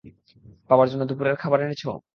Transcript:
বাবার জন্য দুপুরের খাবার এনেছো?